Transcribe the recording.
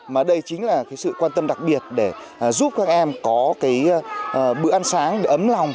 mà đây chính là sự quan tâm đặc biệt để giúp các em có cái bữa ăn sáng ấm lòng